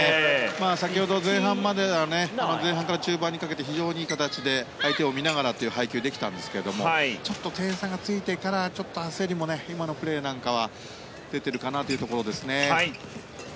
先ほど、前半から中盤にかけて非常にいい形で相手を見ながらという配球ができたんですけどちょっと点差がついてからちょっと焦りも今のプレーなんかは出ているかなというところです。